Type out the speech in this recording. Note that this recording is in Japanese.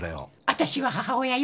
私は母親よ。